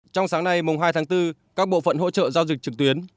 trong sáng nay mùng hai tháng bốn các bộ phận hỗ trợ giao dịch trực tuyến